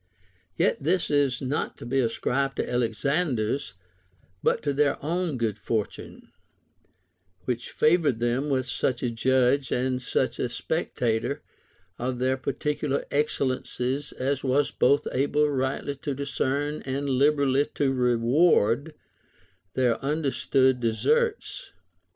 Yet this is not to be ascribed to Alexan der's but their own good fortune, which favored them with such a judge and such a spectator of their particular ex cellencies as was both able rightly to discern and liberally to reward their understood deserts.